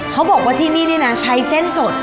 เขาบอกว่าในนี่ใช้เส้นสด